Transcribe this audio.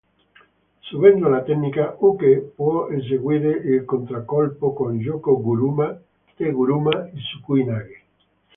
Subendo la tecnica, Uke può eseguire il contraccolpo con Yoko-guruma, Te-guruma, Sukui-nage.